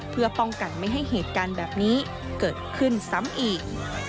เพื่อป้องกันไม่ให้เหตุการณ์แบบนี้เกิดขึ้นซ้ำอีก